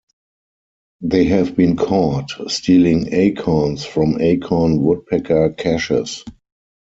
They have been caught stealing acorns from acorn woodpecker caches.